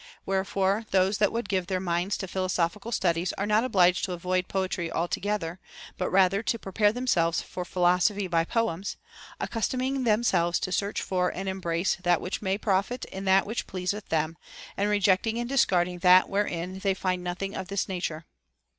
Where fore those that would give their minds to philosophical studies are not obliged to avoid poetry altogether, but rather to prepare themselves for philosophy by poems, accustoming themselves to search for and embrace that which may profit in that which pleaseth them, and reject ing and discarding that wherein they find nothing of this nature.